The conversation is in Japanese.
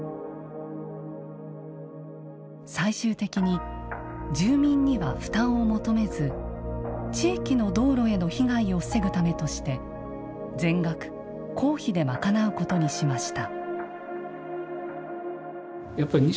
最終的に住民には負担を求めず地域の道路への被害を防ぐためとして全額公費で賄うことにしました。